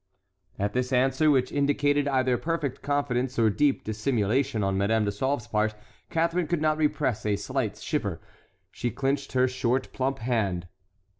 At this answer, which indicated either perfect confidence or deep dissimulation on Madame de Sauve's part, Catharine could not repress a slight shiver. She clinched her short plump hand.